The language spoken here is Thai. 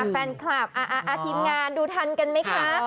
แฟนคลับทีมงานดูทันกันไหมคะ